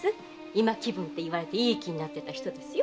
「今紀文」って言われていい気になってた人ですよ。